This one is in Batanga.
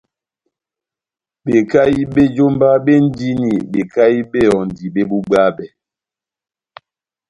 Bekahi bé jómba béndini bekahi bé ehɔndi bébubwabɛ.